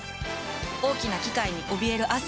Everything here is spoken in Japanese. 大きな機械におびえる亜生。